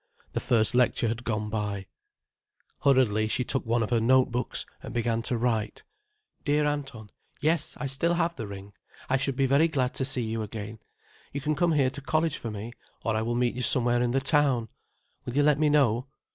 The first lecture had gone by. Hurriedly she took one of her note books and began to write. "Dear Anton, Yes, I still have the ring. I should be very glad to see you again. You can come here to college for me, or I will meet you somewhere in the town. Will you let me know?